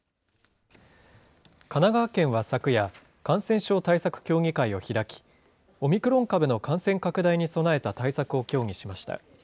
神奈川県は昨夜、感染症対策協議会を開き、オミクロン株の感染拡大に備えた対策を協議しました。